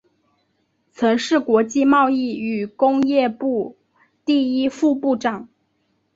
曾是国际贸易与工业部第一副部长。